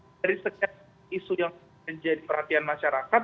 adalah dari sekian isu yang menjadi perhatian masyarakat